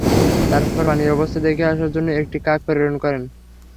তারপর পানির অবস্থা দেখে আসার জন্য একটি কাক প্রেরণ করেন।